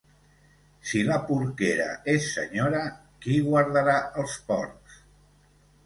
Si la porquera és senyora, qui guardarà els porcs?